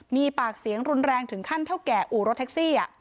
มีปากเสียงรุนแรงถึงขั้นเท่าแก่อู่รถแท็กซี่